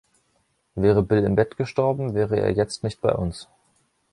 Wäre Bill im Bett gestorben, wäre er jetzt nicht bei uns.